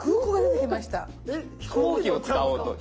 飛行機を使おうと。